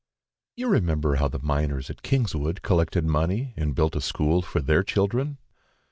You remember how the miners at Kingswood collected money and built a school for their children.